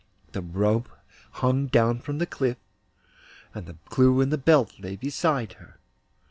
The rope hung down from the cliff, and the clew and belt lay beside her.